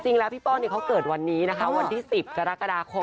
จริงพี่ป้องเขาเกิดวันนี้วันที่๑๐ฆกฎาคม